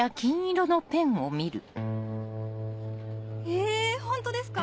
えホントですか？